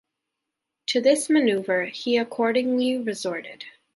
To this manoeuvre he accordingly resorted.